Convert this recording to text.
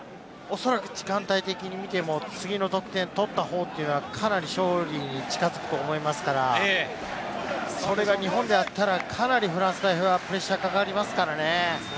おそらく時間帯的に見ても次の得点を取った方はかなり勝利に近づくと思いますから、それが日本であったら、かなりフランス代表はプレッシャーがかかりますからね。